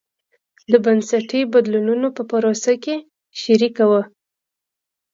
د بنسټي بدلونونو په پروسه کې شریکه وه.